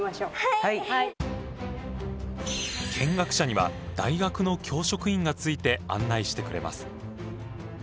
見学者には大学の教職員がついて案内してくれます。